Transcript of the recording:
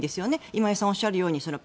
今井さんがおっしゃるように。